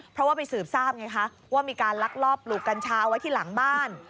เพราะว่าไปสืบทราบไงคะว่ามีการลักลอบปลูกกัญชาเอาไว้ที่หลังบ้าน